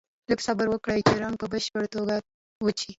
لږ څه صبر وکړئ چې رنګ په بشپړه توګه وچ شي.